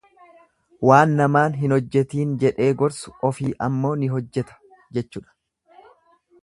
Waan namaan hin hojjetiin jedhee gorsu ofii ammoo ni hojjeta jechudha.